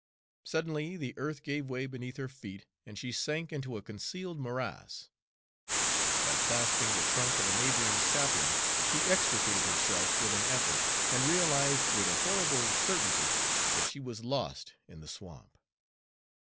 Suddenly the earth gave way beneath her feet and she sank into a concealed morass. By clasping the trunk of a neighboring sapling she extricated herself with an effort, and realized with a horrible certainty that she was lost in the swamp.